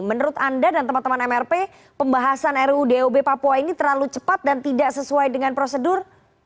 menurut anda dan teman teman mrp pembahasan ruu dob papua ini terlalu cepat dan tidak sesuai dengan prosedur